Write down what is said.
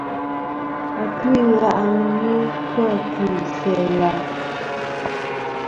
Atu-ila' ghɨ kɨ a tu isæa-la'.